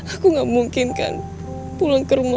aku gak memungkinkan pulang ke rumah papa